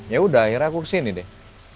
yaudah akhirnya aku kesini deh